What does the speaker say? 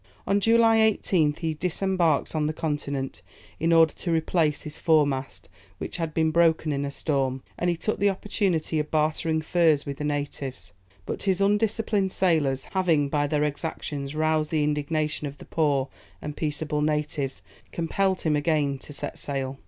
On July 18th, he disembarked on the continent, in order to replace his foremast, which had been broken in a storm; and he took the opportunity of bartering furs with the natives. But his undisciplined sailors, having by their exactions roused the indignation of the poor and peaceable natives, compelled him again to set sail.